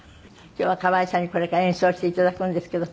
今日は川井さんにこれから演奏して頂くんですけど。